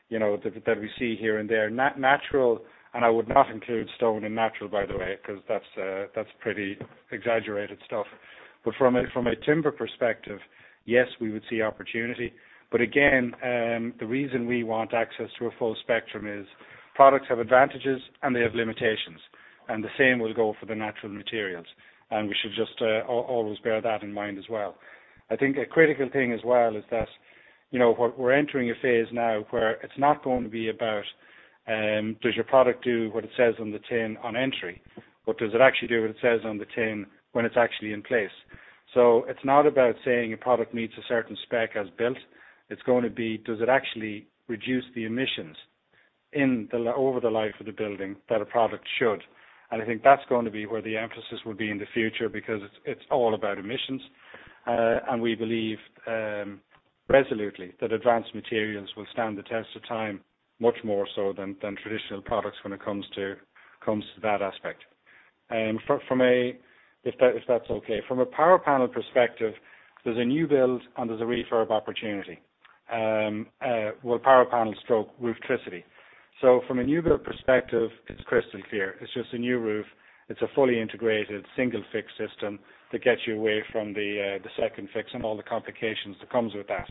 you know, that we see here and there, not natural. I would not include stone and natural, by the way, because that's pretty exaggerated stuff. From a timber perspective, yes, we would see opportunity. Again, the reason we want access to a full spectrum is products have advantages and they have limitations, and the same will go for the natural materials. We should just always bear that in mind as well. I think a critical thing as well is that, you know, we're entering a phase now where it's not going to be about does your product do what it says on the tin on entry? Does it actually do what it says on the tin when it's actually in place? It's not about saying a product meets a certain spec as built. It's gonna be does it actually reduce the emissions in the building over the life of the building that a product should. I think that's going to be where the emphasis will be in the future because it's all about emissions. We believe resolutely that advanced materials will stand the test of time much more so than traditional products when it comes to that aspect. If that's okay. From a PowerPanel perspective, there's a new build and there's a refurb opportunity. PowerPanel / Rooftricity. From a new build perspective, it's crystal clear. It's just a new roof. It's a fully integrated single fixed system that gets you away from the second fix and all the complications that comes with that.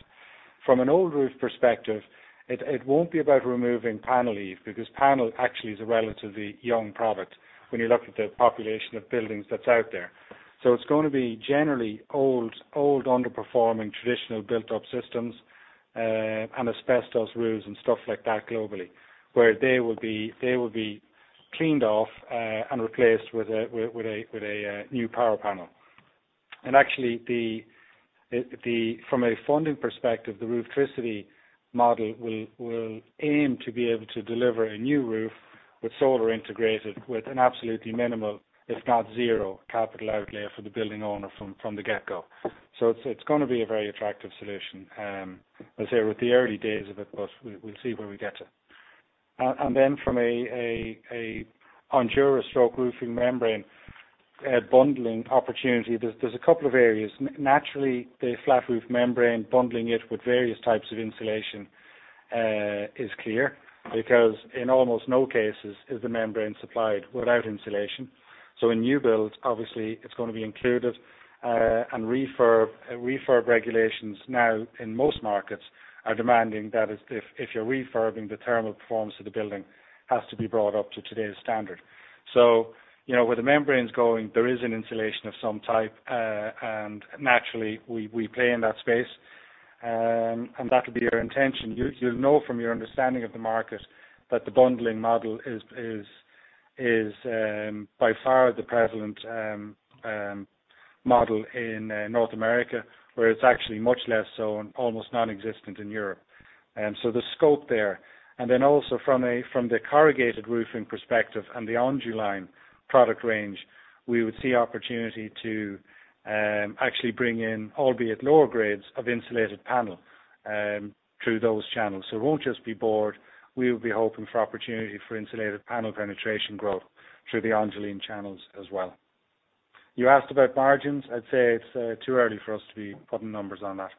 From an old roof perspective, it won't be about removing panel eve because panel actually is a relatively young product when you look at the population of buildings that's out there. It's gonna be generally old underperforming traditional built up systems, and asbestos roofs and stuff like that globally, where they will be cleaned off, and replaced with a new PowerPanel. Actually, from a funding perspective, the Rooftricity model will aim to be able to deliver a new roof with solar integrated with an absolutely minimal, if not zero, capital outlay for the building owner from the get-go. So it's gonna be a very attractive solution. As I said, we're at the early days of it, but we'll see where we get to. From a Ondura / roofing membrane bundling opportunity, there's a couple of areas. Naturally, the flat roof membrane bundling it with various types of insulation is clear because in almost no cases is the membrane supplied without insulation. In new builds, obviously it's gonna be included, and refurb regulations now in most markets are demanding that if you're refurbing, the thermal performance of the building has to be brought up to today's standard. You know, where the membrane's going, there is an insulation of some type, and naturally we play in that space. That'll be our intention. You'll know from your understanding of the market that the bundling model is by far the prevalent model in North America, where it's actually much less so and almost non-existent in Europe. The scope there. From the corrugated roofing perspective and the Onduline product range, we would see opportunity to actually bring in albeit lower grades of insulated panel through those channels. It won't just be board, we'll be hoping for opportunity for insulated panel penetration growth through the Onduline channels as well. You asked about margins. I'd say it's too early for us to be putting numbers on that.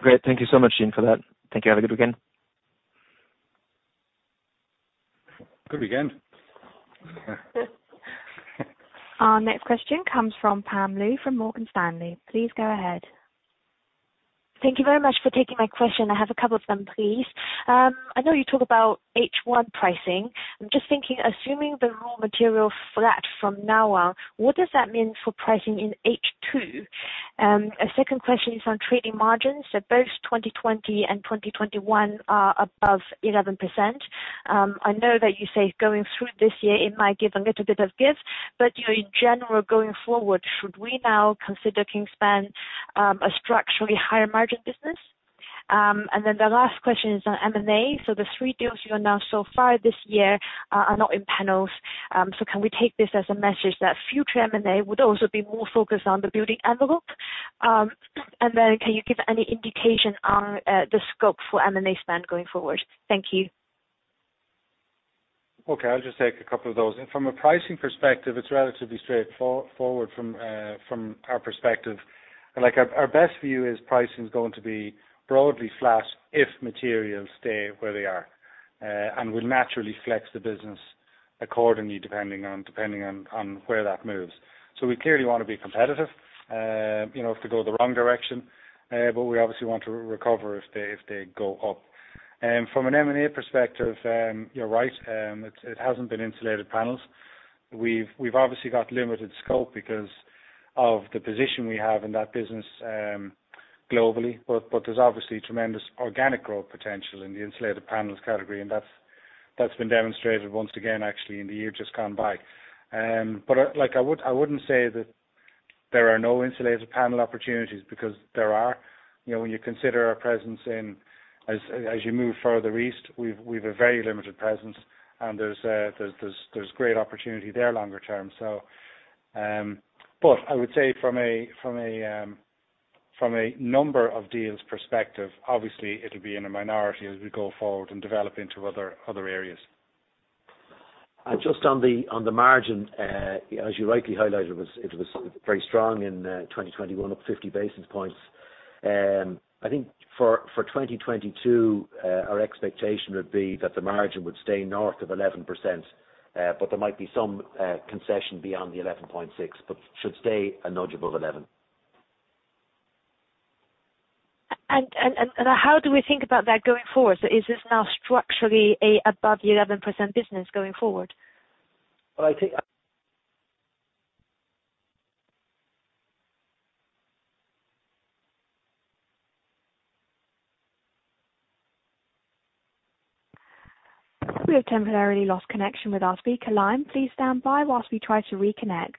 Great. Thank you so much, Gene, for that. Thank you. Have a good weekend. Good weekend. Our next question comes from Pam Liu from Morgan Stanley. Please go ahead. Thank you very much for taking my question. I have a couple of them, please. I know you talked about H1 pricing. I'm just thinking, assuming the raw material flat from now on, what does that mean for pricing in H2? A second question is on trading margins. Both 2020 and 2021 are above 11%. I know that you say going through this year it might give a little bit of give. You know, in general, going forward, should we now consider Kingspan a structurally higher margin business? The last question is on M&A. The three deals you announced so far this year are not in panels. Can we take this as a message that future M&A would also be more focused on the building envelope? Can you give any indication on the scope for M&A spend going forward? Thank you. Okay. I'll just take a couple of those. From a pricing perspective, it's relatively straightforward from our perspective. Like our best view is pricing is going to be broadly flat if materials stay where they are, and we'll naturally flex the business accordingly depending on where that moves. We clearly wanna be competitive, you know, if they go the wrong direction, but we obviously want to recover if they go up. From an M&A perspective, you're right. It hasn't been insulated panels. We've obviously got limited scope because of the position we have in that business, globally. There's obviously tremendous organic growth potential in the insulated panels category, and that's That's been demonstrated once again, actually, in the year just gone by. Like I wouldn't say that there are no insulated panel opportunities because there are. You know, when you consider our presence in as you move further east, we've a very limited presence, and there's great opportunity there longer term. I would say from a number of deals perspective, obviously it'll be in a minority as we go forward and develop into other areas. Just on the margin, as you rightly highlighted, it was very strong in 2021, up 50 basis points. I think for 2022, our expectation would be that the margin would stay north of 11%. There might be some concession beyond the 11.6%, but should stay a nudge above 11%. How do we think about that going forward? Is this now structurally a above the 11% business going forward? Well, I think. We have temporarily lost connection with our speaker line. Please stand by whilst we try to reconnect.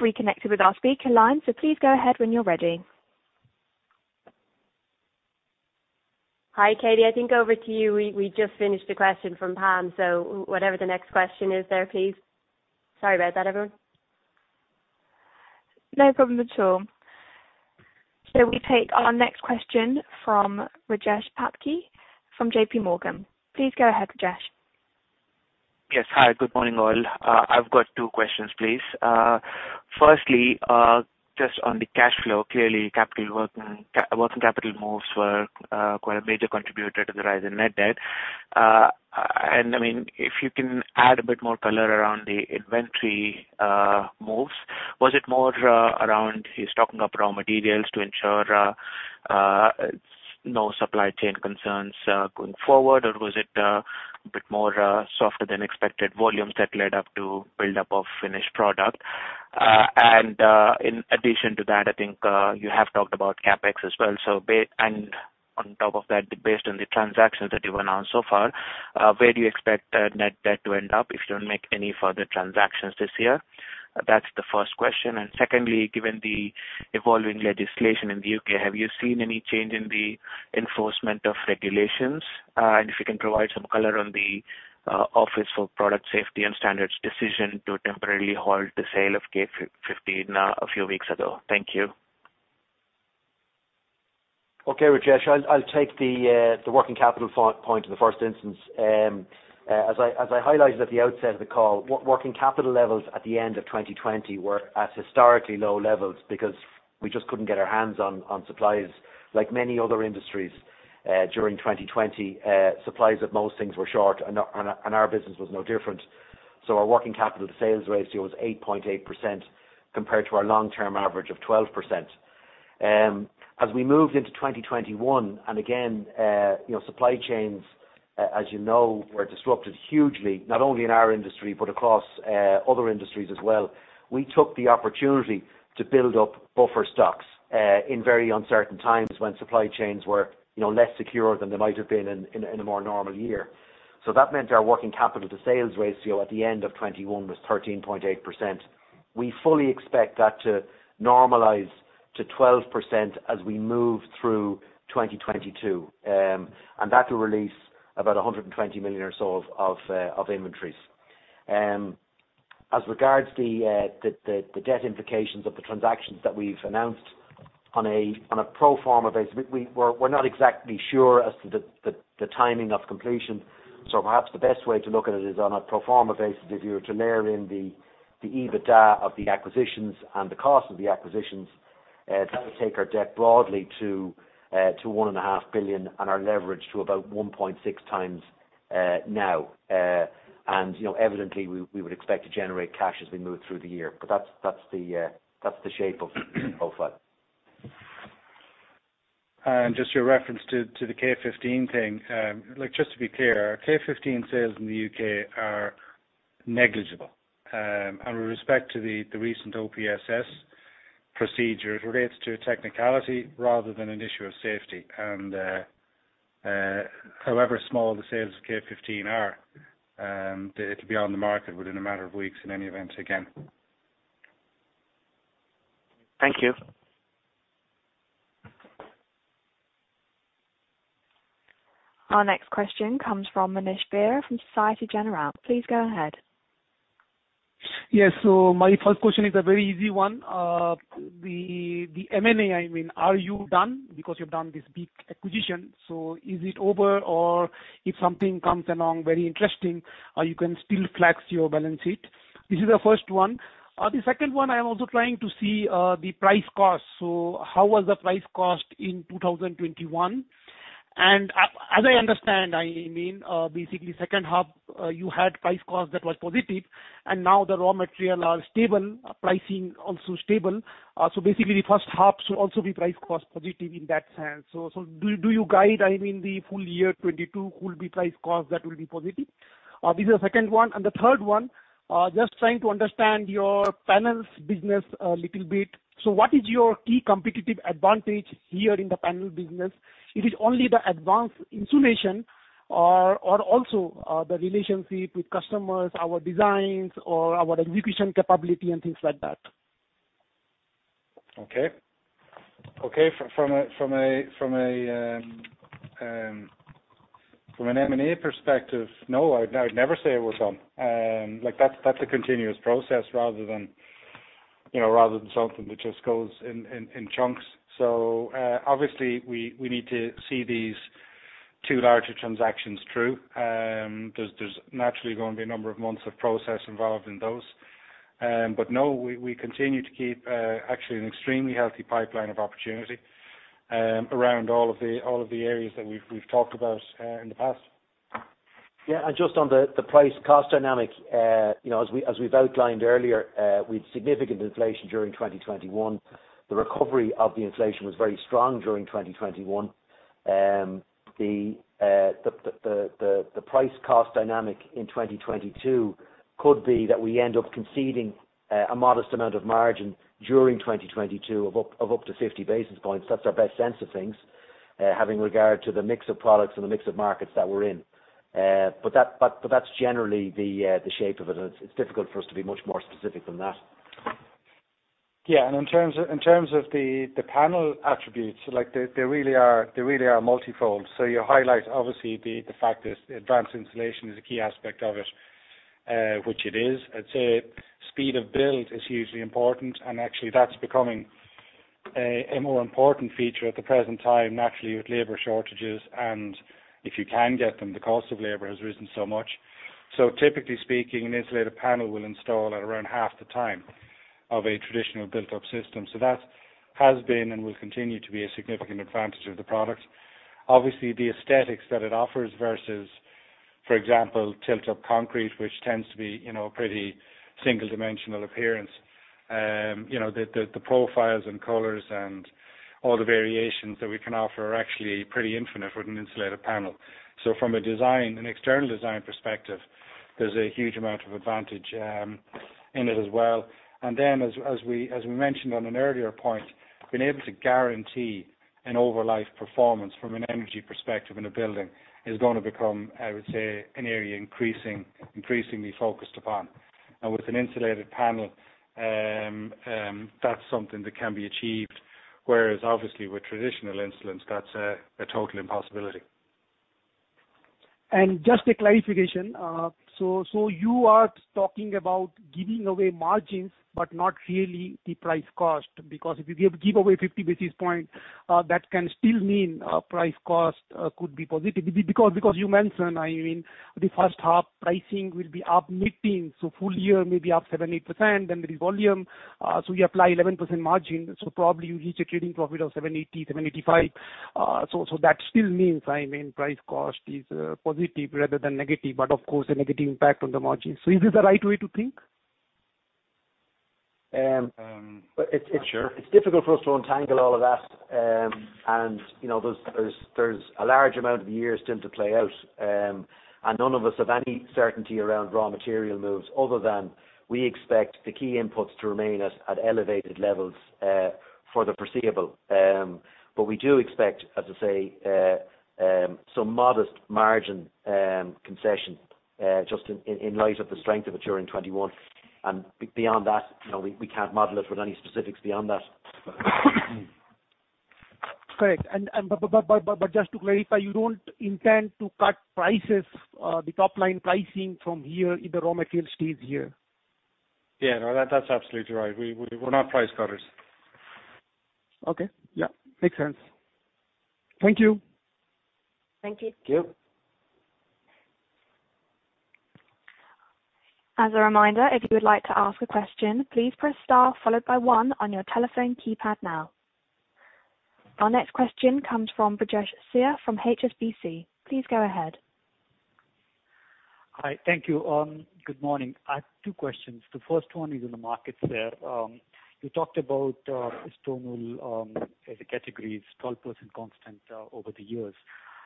We've reconnected with our speaker line, so please go ahead when you're ready. Hi, Katie. I think over to you. We just finished a question from Pam, so whatever the next question is there, please. Sorry about that, everyone. No problem at all. We take our next question from Rajesh Patki from JPMorgan. Please go ahead, Rajesh. Yes. Hi, good morning, all. I've got two questions, please. Firstly, just on the cash flow. Clearly working capital moves were quite a major contributor to the rise in net debt. I mean, if you can add a bit more color around the inventory moves, was it more around restocking up raw materials to ensure no supply chain concerns going forward? Or was it a bit more softer than expected volumes that led up to build up of finished product? In addition to that, I think you have talked about CapEx as well, and on top of that, based on the transactions that you announced so far, where do you expect net debt to end up if you don't make any further transactions this year? That's the first question. Secondly, given the evolving legislation in the U.K., have you seen any change in the enforcement of regulations? If you can provide some color on the Office for Product Safety and Standards decision to temporarily halt the sale of K15, a few weeks ago. Thank you. Okay, Rajesh. I'll take the working capital point in the first instance. As I highlighted at the outset of the call, working capital levels at the end of 2020 were at historically low levels because we just couldn't get our hands on supplies like many other industries during 2020, supplies of most things were short, and our business was no different. Our working capital to sales ratio is 8.8% compared to our long-term average of 12%. As we moved into 2021, and again, you know, supply chains, as you know, were disrupted hugely, not only in our industry, but across other industries as well. We took the opportunity to build up buffer stocks in very uncertain times when supply chains were, you know, less secure than they might have been in a more normal year. That meant our working capital to sales ratio at the end of 2021 was 13.8%. We fully expect that to normalize to 12% as we move through 2022, and that will release about 120 million or so of inventories. As regards the debt implications of the transactions that we've announced on a pro forma basis, we're not exactly sure as to the timing of completion. Perhaps the best way to look at it is on a pro forma basis. If you were to layer in the EBITDA of the acquisitions and the cost of the acquisitions, that would take our debt broadly to 1.5 billion and our leverage to about 1.6x now, and you know, evidently we would expect to generate cash as we move through the year, but that's the shape of that. Just your reference to the K15 thing. Look, just to be clear, our K15 sales in the U.K. are negligible. With respect to the recent OPSS procedure, it relates to a technicality rather than an issue of safety. However small the sales of K15 are, it'll be on the market within a matter of weeks in any event again. Thank you. Our next question comes from Manish Beria from Société Générale. Please go ahead. Yes. My first question is a very easy one. The M&A, I mean, are you done because you've done this big acquisition, so is it over? Or if something comes along very interesting, you can still flex your balance sheet. This is the first one. The second one, I am also trying to see the price cost. How was the price cost in 2021? And as I understand, I mean, basically second half, you had price cost that was positive, and now the raw materials are stable, pricing also stable. Basically the first half should also be price cost positive in that sense. Do you guide, I mean, the full year 2022 will be price cost that will be positive? This is the second one and the third one, just trying to understand your panels business a little bit. What is your key competitive advantage here in the panel business? Is it only the advanced insulation or also the relationship with customers, our designs or our execution capability and things like that? From an M&A perspective, no, I'd never say it was on. Like that's a continuous process rather than, you know, rather than something that just goes in chunks. So, obviously we need to see these two larger transactions through. There's naturally going to be a number of months of process involved in those. But no, we continue to keep actually an extremely healthy pipeline of opportunity around all of the areas that we've talked about in the past. Yeah. Just on the price cost dynamic, you know, as we've outlined earlier, with significant inflation during 2021, the recovery of the inflation was very strong during 2021. The price cost dynamic in 2022 could be that we end up conceding a modest amount of margin during 2022 of up to 50 basis points. That's our best sense of things, having regard to the mix of products and the mix of markets that we're in. That's generally the shape of it, and it's difficult for us to be much more specific than that. In terms of the panel attributes, like they really are multifold. You highlight obviously the fact is advanced insulation is a key aspect of it, which it is. I'd say speed of build is hugely important, and actually that's becoming a more important feature at the present time, naturally with labor shortages. If you can get them, the cost of labor has risen so much. Typically speaking, an insulated panel will install at around half the time of a traditional built up system. That has been and will continue to be a significant advantage of the product. Obviously, the aesthetics that it offers versus, for example, tilt up concrete, which tends to be, you know, pretty single dimensional appearance. You know, the profiles and colors and all the variations that we can offer are actually pretty infinite with an insulated panel. From a design and external design perspective, there's a huge amount of advantage in it as well. As we mentioned on an earlier point, being able to guarantee an over-life performance from an energy perspective in a building is going to become, I would say, an area increasingly focused upon. With an insulated panel, that's something that can be achieved, whereas obviously with traditional insulations, that's a total impossibility. Just a clarification. You are talking about giving away margins but not really the price cost. Because if you give away 50 basis points, that can still mean price cost could be positive because you mentioned, I mean, the first half pricing will be up mid-teens, so full year may be up 7%, 8%, then there is volume. You apply 11% margin, so probably you reach a trading profit of 780-785. That still means, I mean price cost is positive rather than negative, but of course a negative impact on the margin. Is this the right way to think? It's. Sure. It's difficult for us to untangle all of that. You know, there's a large amount of years still to play out. None of us have any certainty around raw material moves other than we expect the key inputs to remain at elevated levels for the foreseeable. We do expect some modest margin concession just in light of the strength of it during 2021. Beyond that, you know, we can't model it with any specifics beyond that. Correct. Just to clarify, you don't intend to cut prices, the top-line pricing from here if the raw material stays here? Yeah, no, that's absolutely right. We're not price cutters. Okay. Yeah, makes sense. Thank you. Thank you. Thank you. As a reminder, if you would like to ask a question, please press star followed by one on your telephone keypad now. Our next question comes from Brijesh Siya from HSBC. Please go ahead. Hi. Thank you. Good morning. I have two questions. The first one is in the markets there. You talked about stone wool as a category, it's 12% constant over the years.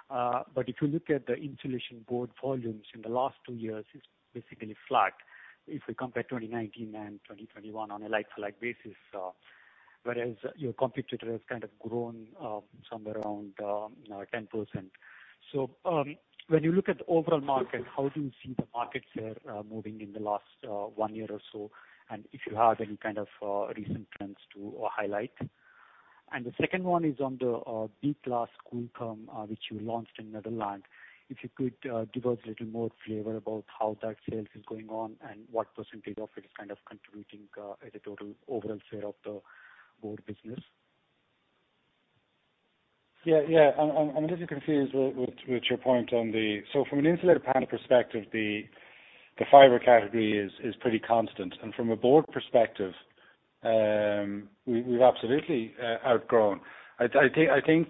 But if you look at the insulation board volumes in the last two years, it's basically flat if we compare 2019 and 2021 on a like-for-like basis, whereas your competitor has kind of grown somewhere around, you know, 10%. When you look at the overall market, how do you see the markets there moving in the last one year or so, and if you have any kind of recent trends to highlight? The second one is on the B-class Kooltherm, which you launched in Netherlands. If you could, give us a little more flavor about how that sales is going on and what percentage of it is kind of contributing, as a total overall share of the board business. Yeah. I'm a little confused with your point on the insulated panel perspective, the fiber category is pretty constant. From a board perspective, we've absolutely outgrown. I think I can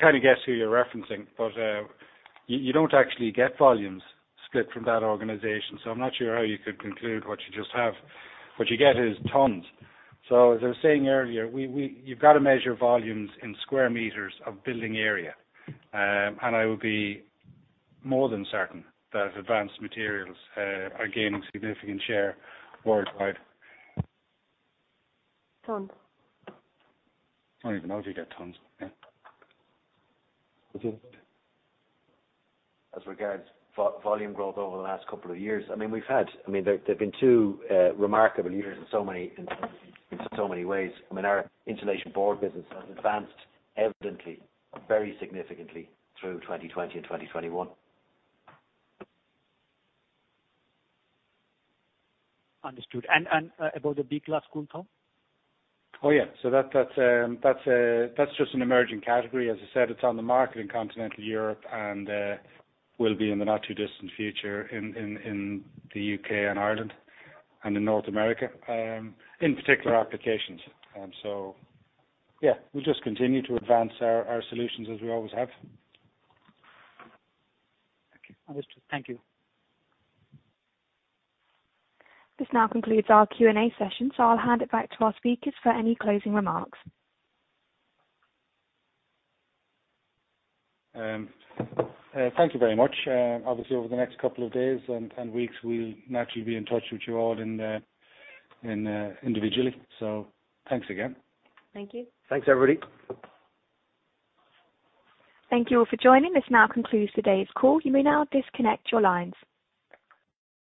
kind of guess who you're referencing, but you don't actually get volumes split from that organization, so I'm not sure how you could conclude what you just have. What you get is tons. As I was saying earlier, you've got to measure volumes in square meters of building area. I would be more than certain that Advanced Materials are gaining significant share worldwide. Tons. I don't even know if you get tons. Yeah. Okay. As regards volume growth over the last couple of years, I mean, we've had two remarkable years in so many ways. I mean, our insulation board business has advanced evidently very significantly through 2020 and 2021. Understood. About the B class Kooltherm? Oh, yeah. That's just an emerging category. As I said, it's on the market in continental Europe and will be in the not too distant future in the U.K. and Ireland and in North America, in particular applications. Yeah, we just continue to advance our solutions as we always have. Okay. Understood. Thank you. This now concludes our Q&A session, so I'll hand it back to our speakers for any closing remarks. Thank you very much. Obviously, over the next couple of days and weeks, we'll naturally be in touch with you all individually. Thanks again. Thank you. Thanks, everybody. Thank you all for joining. This now concludes today's call. You may now disconnect your lines.